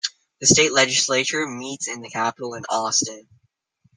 The state legislature meets at the Capitol in Austin.